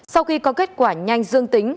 sau khi có kết quả nhanh dương tính